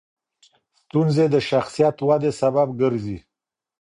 ستونزې د شخصیت ودې سبب ګرځي.